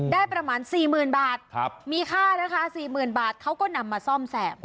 ได้ประมาณ๔๐๐๐บาทมีค่านะคะ๔๐๐๐บาทเขาก็นำมาซ่อมแซม